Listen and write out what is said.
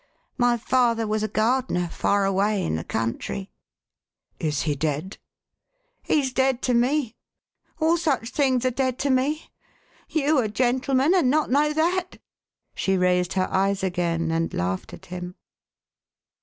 My father was a gardener, far away, in the country.''1 " Is he dead ?"" He's dead to me. All such things are dead to me. You a gentleman, and not know that!" She raised her eyes again, and laughed at him.